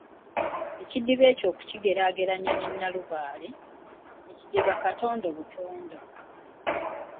Ekidiba ekyo okukigeraageranya ne Nnalubale, ekidiba katondo butondo.